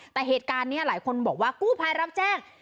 แต่เหตุการณ์นี้หลายคนบอกว่ากู้ภัยรับแจ้ง